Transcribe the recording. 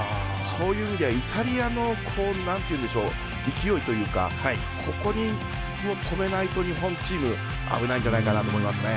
そういう意味ではイタリアの勢いというか止めないと、日本チーム危ないんじゃないかなと思いますね。